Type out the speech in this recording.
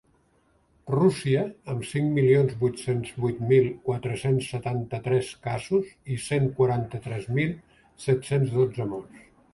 Rússia, amb cinc milions vuit-cents vuit mil quatre-cents setanta-tres casos i cent quaranta-tres mil set-cents dotze morts.